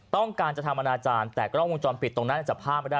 ต้องการจะทำอนาจารย์แต่กล้องวงจรปิดตรงนั้นจับภาพไม่ได้